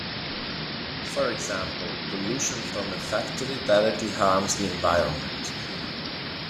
For example, pollution from a factory directly harms the environment.